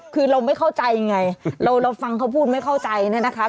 คือเราไม่เข้าใจไงเราฟังเขาพูดไม่เข้าใจเนี่ยนะคะ